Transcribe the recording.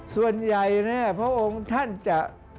ส่วนใหญ่เนี่ยพระองค์ท่านจะ